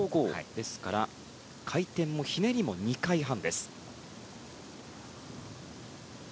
ですから回転もひねりも２回半。